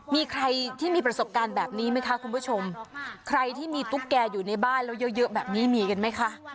มีใครที่มีประสบการณ์แบบนี้ไหมคะคุณผู้ชมใครที่มีตุ๊กแกอยู่ในบ้านแล้วเยอะเยอะแบบนี้มีกันไหมคะ